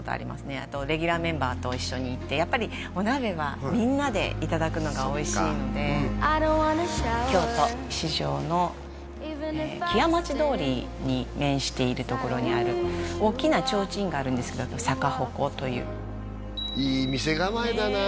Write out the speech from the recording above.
あとレギュラーメンバーと一緒に行ってやっぱりお鍋はみんなでいただくのがおいしいので京都四条の木屋町通りに面しているところにある大きなちょうちんがあるんですけど逆鉾といういい店構えだなねえ